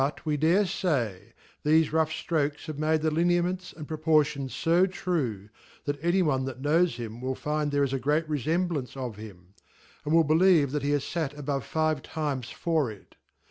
we dare fay , theje rough flrokes have made the linear tnents and proportions Jo true, that any one that knows him, will ^find there is a great refemb lance of him ; and will believe that he bas^faie above five times for it..